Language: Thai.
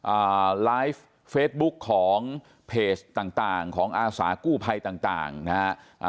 อ่าไลฟ์เฟซบุ๊คของเพจต่างต่างของอาสากู้ภัยต่างต่างนะฮะอ่า